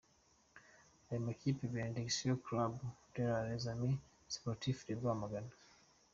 Ayo makipe ni Benediction Club na Les Amis Sportifs de Rwamagana.